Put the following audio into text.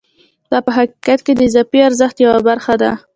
دا په حقیقت کې د اضافي ارزښت یوه برخه ده